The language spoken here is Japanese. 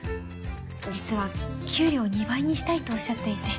実は給料２倍にしたいとおっしゃっていて。